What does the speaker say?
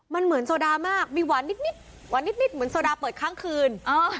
มันเหมือนโซดามากมีหวานนิดหวานนิดเหมือนโซดาเปิดค้างคืน